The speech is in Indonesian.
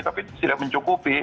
tapi tidak mencukupi